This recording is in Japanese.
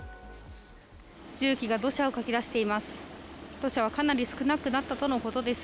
重機が土砂をかき出しています。